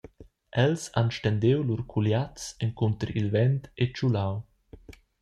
Els han stendiu lur culiazs encunter il vent e tgulau.